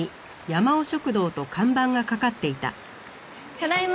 ただいま。